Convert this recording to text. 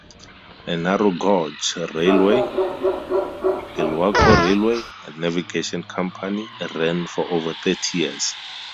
A narrow gauge railway, Ilwaco Railway and Navigation Company, ran for over thirty years.